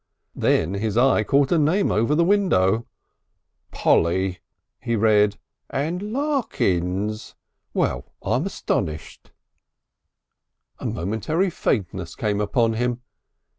Then his eye caught a name over the window, "Polly," he read, "& Larkins! Well, I'm astonished!" A momentary faintness came upon him.